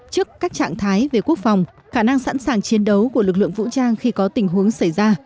trước các trạng thái về quốc phòng khả năng sẵn sàng chiến đấu của lực lượng vũ trang khi có tình huống xảy ra